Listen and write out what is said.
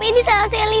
tidak zagarb suas lindas